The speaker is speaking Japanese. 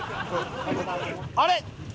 あれ？